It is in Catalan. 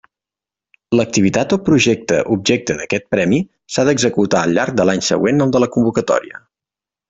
L'activitat o projecte objecte d'aquest premi s'ha d'executar al llarg de l'any següent al de la convocatòria.